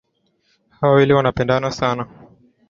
hao wawili wanapendana sana